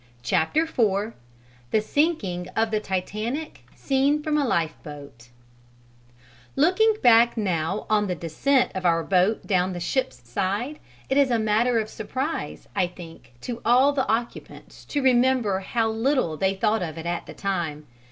CHAPTER IV THE SINKING OF THE TITANIC SEEN FROM A LIFEBOAT Looking back now on the descent of our boat down the ship's side, it is a matter of surprise, I think, to all the occupants to remember how little they thought of it at the time.